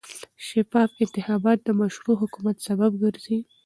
شفاف انتخابات د مشروع حکومت سبب ګرځي